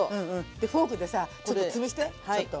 フォークでさちょっとつぶしてちょっと。